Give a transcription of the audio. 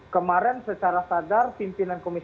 kemarin secara sadar pimpinan komisi tiga